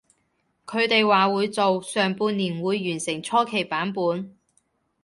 佢哋話會做，上半年會完成初期版本